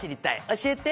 教えて」